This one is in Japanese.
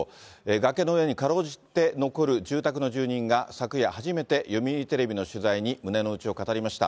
崖の上にかろうじて残る住宅の住人が昨夜、初めて読売テレビの取材に胸の内を語りました。